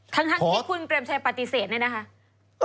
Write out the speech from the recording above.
ทั้งที่คุณเปรมชัยปฏิเสธเนี่ยนะคะ